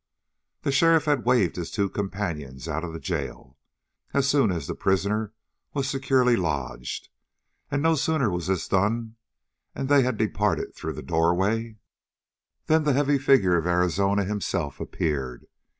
The sheriff had waved his two companions out of the jail, as soon as the prisoner was securely lodged, and no sooner was this done, and they had departed through the doorway, than the heavy figure of Arizona himself appeared.